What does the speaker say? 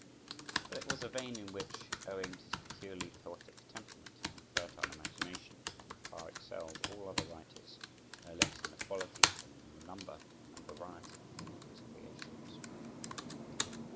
But it was a vein in which, owing to his peculiarly poetic temperament and fertile imagination, he far excelled all other writers, no less in the quality than in the number and variety of his creations.